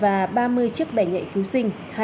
và ba mươi chiếc bè nhẹ cứu sinh